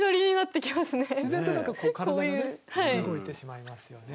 自然と何かこう体がね動いてしまいますよね。